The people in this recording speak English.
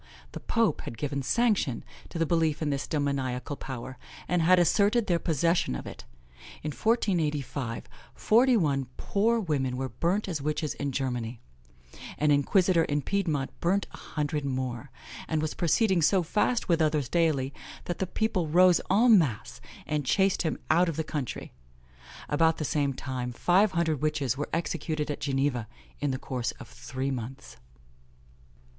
The pope had given sanction to the belief in this demoniacal power, and had asserted their possession of it. In 1485, forty one poor women were burnt as witches in Germany; an inquisitor in Piedmont burnt a hundred more, and was proceeding so fast with others daily, that the people rose en masse, and chased him out of the country. About the same time, five hundred witches were executed at Geneva, in the course of three months.